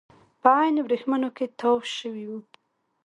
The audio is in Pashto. په عین ورېښمو کې تاو شوي وو.